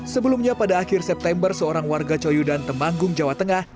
sebelumnya pada akhir september seorang warga coyudan temanggung jawa tengah